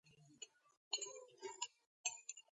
მიეკუთვნება ტრიანგულუ-მინეირუ-ი-ალტუ-პარანაიბის მეზორეგიონს.